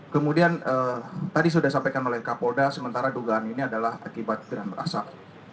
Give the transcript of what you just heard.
kemudian tadi sudah disampaikan oleh kapolda sementara dugaan ini adalah akibat grand asap